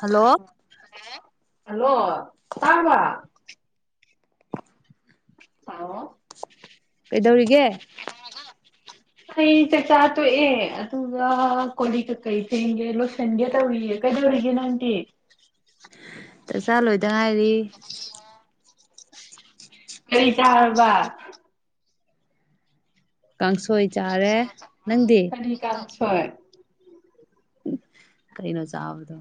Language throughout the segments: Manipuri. ꯍꯜꯂꯣ ꯍꯜꯂꯣ ꯇꯥꯔꯥꯕ ꯍꯜꯂꯣ ꯀꯩꯗꯧꯔꯤꯒꯦ ꯑꯩ ꯆꯥꯛ ꯆꯥ ꯇꯣꯛꯑꯦ ꯑꯗꯨꯒ ꯀꯣꯂꯤꯛ ꯀꯩ ꯂꯣꯏꯁꯟꯒꯦ ꯇꯧꯔꯤꯌꯦ ꯀꯗꯧꯔꯒꯦ ꯅꯥꯪꯗꯤ ꯆꯥꯛꯆꯥꯥ ꯂꯣꯏꯗ ꯉꯥꯏꯔꯤ ꯀꯔꯤ ꯆꯥꯔꯕ ꯀꯥꯡꯁꯣꯏ ꯆꯥꯔꯦ ꯅꯪꯗꯤ ꯍꯣꯏ ꯀꯩꯅꯣ ꯆꯥꯕꯗꯣ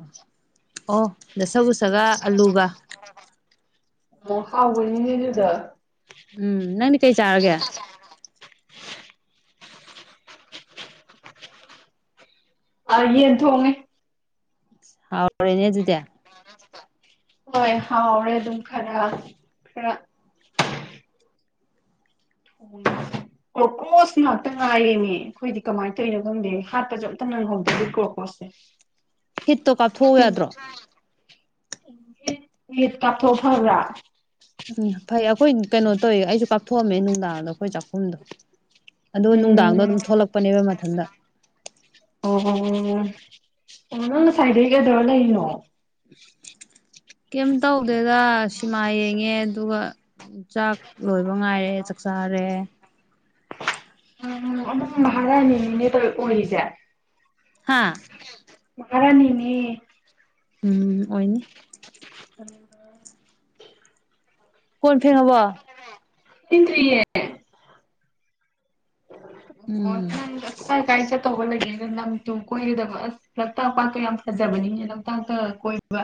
ꯑꯣ ꯗꯁꯀꯨꯁꯒ ꯑꯂꯨꯒ ꯑꯣ ꯍꯥꯎꯕꯅꯤꯅꯦ ꯑꯗꯨ ꯗꯣ ꯎꯝ ꯅꯪꯗꯤ ꯀꯩ ꯆꯥꯔꯒꯦ ꯑ ꯌꯦꯟ ꯊꯣꯡꯉꯦ ꯍꯥꯎꯔꯦꯅꯦ ꯑꯗꯨꯗꯤ ꯍꯣꯏ ꯍꯥꯎꯔꯦ ꯑꯗꯨꯝ ꯈꯔ ꯈꯔ ꯎꯝ ꯀ꯭ꯔꯀ꯭ꯔꯣꯁ ꯉꯥꯛꯇ ꯉꯥꯏꯔꯦꯅꯦ ꯑꯩꯈꯣꯏꯗꯤ ꯀꯃꯥꯏꯅ ꯇꯧꯔꯤꯅꯣ ꯈꯪꯗꯦ ꯍꯥꯠꯄꯁꯨ ꯑꯝꯇ ꯅꯪꯍꯧꯗꯦ ꯀꯣꯔ꯭ꯔꯀ꯭ꯔꯣꯁ ꯍ ꯍꯤꯠꯇꯣ ꯀꯥꯞꯊꯣꯛꯎ ꯌꯥꯗ꯭ꯔꯣ ꯍꯤꯠ ꯀꯥꯞꯊꯣꯛꯑꯒ ꯐꯥꯕ꯭ꯔꯥ ꯎꯝ ꯐꯩ ꯑꯩꯈꯣꯏ ꯀꯩꯅꯣ ꯇꯧꯋ ꯑꯩꯁꯨ ꯀꯥꯞꯊꯣꯛꯑꯝꯃꯦ ꯅꯨꯡꯗꯥꯡꯗ ꯑꯩꯈꯣꯏ ꯆꯥꯛꯈꯨꯝꯗꯣ ꯑꯗꯨ ꯅꯨꯡꯗꯥꯡꯗꯣ ꯎꯝ ꯑꯗꯨꯝ ꯊꯣꯛꯂꯛꯄꯅꯦꯕ ꯃꯊꯟꯇ ꯑ ꯅꯪ ꯁꯥꯏꯗꯩ ꯀꯩꯗꯧꯔ ꯂꯩꯩꯅꯣ ꯀꯩꯝ ꯇꯧꯗꯦꯗ ꯁꯤꯃꯥ ꯌꯦꯡꯉꯦ ꯑꯗꯨꯒ ꯆꯥꯛ ꯂꯣꯏꯕ ꯉꯥꯏꯔꯦ ꯆꯥꯛꯆꯥꯔꯦ ꯎꯝ ꯑꯃ ꯃꯍꯥꯔꯥꯅꯤꯅꯤꯅꯦ ꯇꯧ ꯑꯣꯏꯔꯤꯁꯦ ꯍꯥꯥ ꯃꯍꯥꯔꯅꯤꯅꯦ ꯎꯝ ꯑꯣꯏꯅꯤ ꯎ [unintelligible] ꯀꯣꯟ ꯐꯦꯡꯉꯕꯣ ꯐꯦꯡꯗꯔꯤꯌꯦ ꯍꯣ ꯎꯝ ꯅꯪ ꯀꯥꯏ ꯀꯥꯏ ꯆꯠ ꯇꯧꯕ ꯂꯩꯌꯦꯗ ꯂꯝꯇꯨ ꯀꯣꯏꯒꯗꯕ ꯑꯁ ꯂꯣꯛꯇꯥꯛ ꯄꯥꯠꯇꯣ ꯌꯥꯝ ꯐꯖꯕꯅꯤꯅꯦ ꯂꯣꯛꯇꯥꯛꯇ ꯀꯣꯏꯕ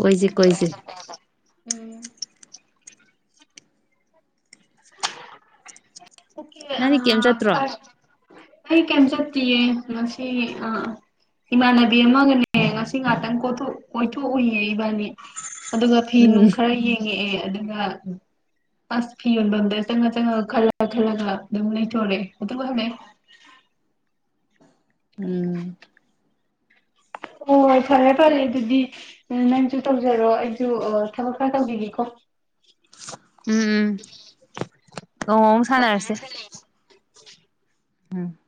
ꯀꯣꯏꯁꯦ ꯀꯣꯏꯁꯦ ꯎꯝ ꯑꯣꯀꯦ ꯅꯪꯗꯤ ꯀꯩꯝ ꯆꯠꯇ꯭ꯔꯣ ꯑ ꯑꯩ ꯀꯔꯝ ꯆꯠꯇꯤꯌꯦ ꯉꯁꯤ ꯑꯥ ꯏꯃꯥꯟꯅꯕꯤ ꯑꯃꯒꯅꯦ ꯉꯁꯤ ꯉꯥꯛꯇꯪ ꯀꯣꯏꯊꯣꯛꯎꯏꯌꯦ ꯏꯕꯥꯅꯤ ꯑꯗꯨꯒ ꯐꯤ ꯅꯨꯡ ꯎꯝ ꯈꯔ ꯌꯦꯡꯉꯛꯑꯦ ꯑꯗꯨꯒ ꯑꯁ ꯐꯤ ꯌꯣꯟꯐꯝꯗ ꯆꯪꯉ ꯆꯪꯉ ꯈꯜꯂ ꯈꯜꯂꯒ ꯑꯗꯨꯝ ꯂꯩꯊꯣꯔꯑꯦ ꯑꯗꯨꯒ ꯍꯜꯂꯛꯑꯦ [inaudible] ꯎꯝ ꯍꯣꯏ ꯐꯔꯦ ꯐꯔꯦ ꯑꯗꯨꯗꯤ ꯅꯪꯁꯨ ꯇꯧꯖꯔꯣ ꯑꯩꯁꯨ ꯊꯕꯛ ꯈꯔ ꯇꯧꯕꯤꯒꯦꯀꯣ ꯎꯝ ꯅꯣꯡꯃ ꯑꯃꯨꯛ ꯎꯝ